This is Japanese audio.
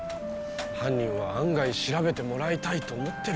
犯人は案外調べてもらいたいって思ってるかも。